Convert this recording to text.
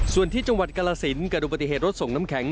ส่วนที่จังหวัดกรสินเกิดอุบัติเหตุรถส่งน้ำแข็ง